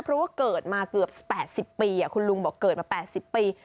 เพราะว่าเกิดมาเกือบ๘๐ปีคุณลุงบอกเกิดมา๘๐ปี